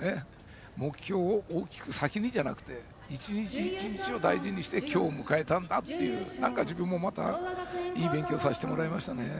目標を大きく先にじゃなくて１日１日を大事にして今日を迎えたんだという自分もいい勉強させてもらいました。